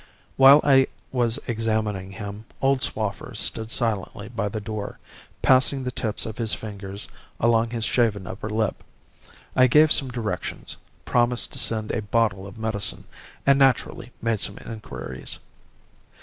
While I was examining him, old Swaffer stood silently by the door, passing the tips of his fingers along his shaven upper lip. I gave some directions, promised to send a bottle of medicine, and naturally made some inquiries.